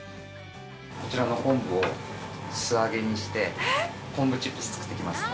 こちらが昆布を素揚げにして昆布チップス作ってきますね。